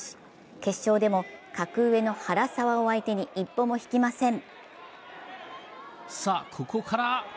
決勝でも格上の原沢を相手に一歩も引きません。